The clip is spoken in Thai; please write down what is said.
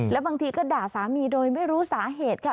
แล้วบางทีก็ด่าสามีโดยไม่รู้สาเหตุค่ะ